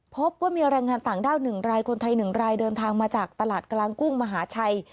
พบว่ามีแรงงานต่างด้าว๑รายคนไทย๑รายเดินทางมาจากตลาดกลางกุ้งมหาชัย